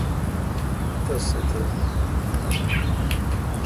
تس سہ تو مہ نالم۔